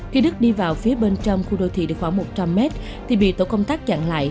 khi đức đi vào phía bên trong khu đô thị được khoảng một trăm linh m